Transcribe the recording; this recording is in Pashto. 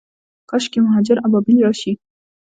کاشکي مهاجر ابابیل راشي